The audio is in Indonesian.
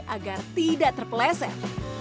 agar tidak terpeleset